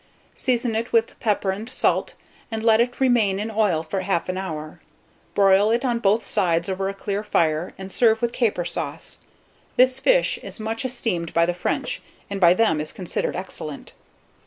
Season it with pepper and salt, and let it remain in oil for 1/2 hour. Broil it on both sides over a clear fire, and serve with caper sauce. This fish is much esteemed by the French, and by them is considered excellent.